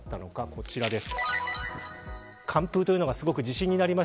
こちらです。